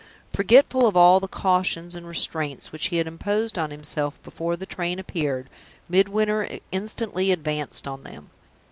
Forgetful of all the cautions and restraints which he had imposed on himself before the train appeared, Midwinter instantly advanced on them.